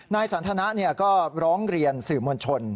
นายสันทนะก็ร้องเรียนสื่อมวลชน